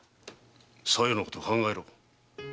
小夜のことを考えろ。